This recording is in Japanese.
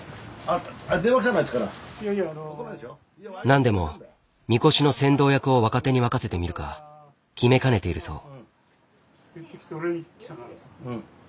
何でもみこしの先導役を若手に任せてみるか決めかねているそう。